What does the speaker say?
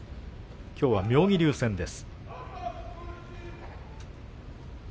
きょうは妙義龍戦です。